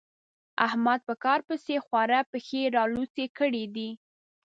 احمد په کار پسې خورا پښې رالوڅې کړې دي.